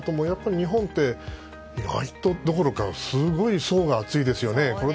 やっぱり日本って、割とどころかすごい層が厚いですよね。